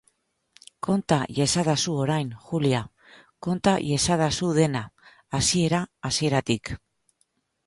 Konta iezadazu orain, Julia, konta iezadazu dena, hasiera-hasieratik.